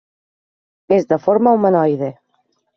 És de forma humanoide.